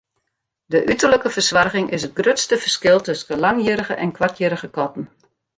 De uterlike fersoarging is it grutste ferskil tusken langhierrige en koarthierrige katten.